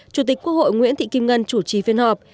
chủ tịch quốc hội nguyễn thị kim ngân chủ trì phiên họp